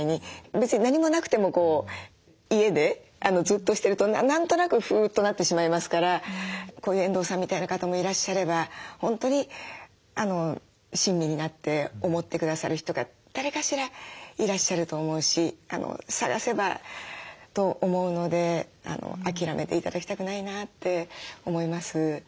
別に何もなくてもこう家でじっとしてると何となくふっとなってしまいますからこういう遠藤さんみたいな方もいらっしゃれば本当に親身になって思ってくださる人が誰かしらいらっしゃると思うし探せばと思うので諦めて頂きたくないなって思います。